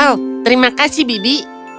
oh terima kasih bibi